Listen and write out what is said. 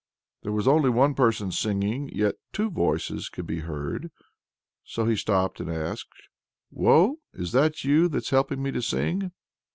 There was only one person singing, yet two voices could be heard. So he stopped, and asked: "Woe, is that you that's helping me to sing?"